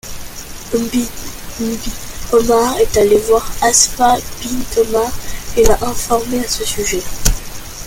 Ibn Omar est allé voir Hafsa bint Omar et l'a informée à ce sujet.